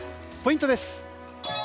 ポイントです。